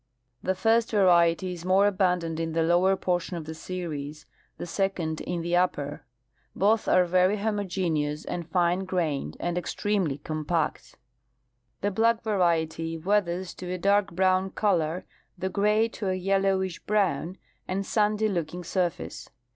The first variety is more abundant in the lower portion of the series, the second in the upper. Both are very homogeneous and fine grained, and extremely compact. The black variet}'^ weathers to a dark brown color, the gray to a 3^ellowish broAvn and sandy looking surface.